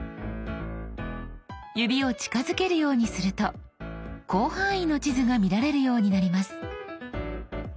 指を近づけるようにすると広範囲の地図が見られるようになります。